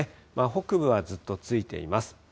北部はずっとついています。